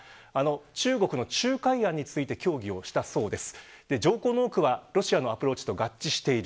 中国の仲介案について協議したそうです。